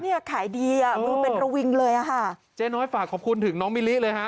เนี่ยขายดีอ่ะมือเป็นระวิงเลยอ่ะค่ะเจ๊น้อยฝากขอบคุณถึงน้องมิลิเลยฮะ